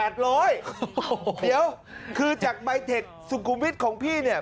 เดี๋ยวคือจากใบเทคสุขุมวิทย์ของพี่เนี่ย